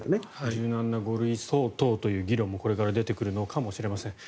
柔軟な５類相当という議論もこれから出てくるのかもしれません。